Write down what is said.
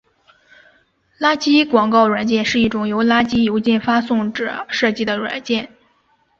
垃圾广告软件是一种由垃圾邮件发送者设计的软件。